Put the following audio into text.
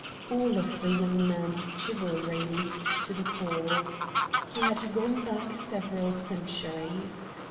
All of the young man's chivalry leaped to the call. He had gone back several centuries.